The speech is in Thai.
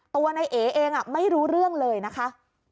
ตัวในเอเองไม่รู้เรื่องเลยนะคะ